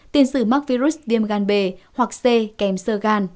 tiền sử mắc virus viêm gan b hoặc c kèm sơ gan